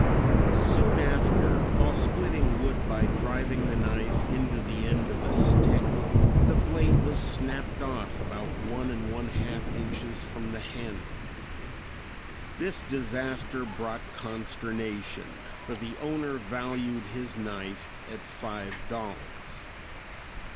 Soon after, while splitting wood by driving the knife into the end of a stick, the blade was snapped off about one and one half inches from the handle. This disaster brought consternation, for the owner valued his knife at five dollars.